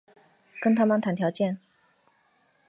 跟他们谈条件